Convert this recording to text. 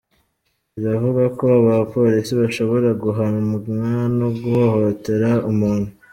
Biravugwa ko aba bapolisi bashobora guhamwa no guhohotera umuntu.